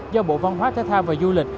do bộ văn hóa thế thao và du lịch